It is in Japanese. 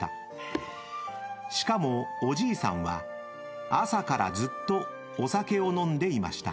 ［しかもおじいさんは朝からずっとお酒を飲んでいました］